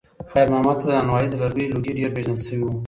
خیر محمد ته د نانوایۍ د لرګیو لوګی ډېر پیژندل شوی و.